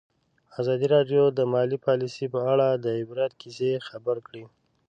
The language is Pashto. ازادي راډیو د مالي پالیسي په اړه د عبرت کیسې خبر کړي.